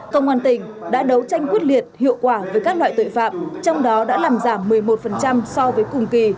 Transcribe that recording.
công an tỉnh đã đấu tranh quyết liệt hiệu quả với các loại tội phạm trong đó đã làm giảm một mươi một so với cùng kỳ